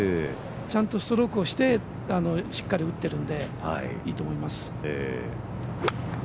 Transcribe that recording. ちゃんとストロークをして打ってるのでいいと思います。